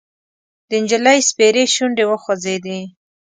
د نجلۍ سپېرې شونډې وخوځېدې: